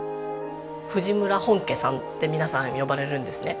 「藤村本家さん」って皆さん呼ばれるんですね。